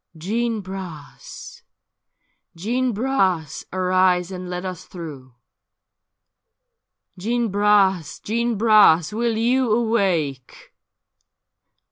' Jeanne Bras ! Jeanne Bras 1 arise and let us through ; Jeanne Bras ! Jeanne Bras ! will you awake?